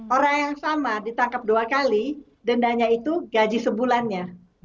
orang yang sama ditangkap dua kali dendanya itu gaji sebulannya